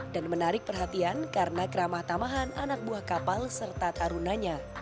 dan menarik perhatian karena keramah tamahan anak buah kapal serta tarunanya